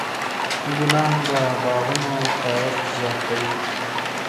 ګلان د باغونو ښایست زیاتوي.